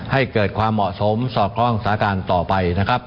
ให้เกิดความเหมาะสมสอดคล้องสาการต่อไปนะครับ